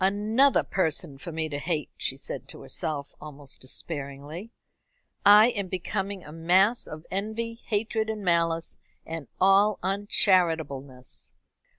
"Another person for me to hate," she said to herself, almost despairingly. "I am becoming a mass of envy, hatred, and malice, and all uncharitableness."